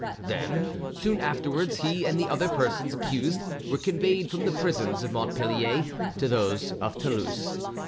Then soon afterwards he and the other persons accused were conveyed from the prisons of Montpellier to those of Toulouse.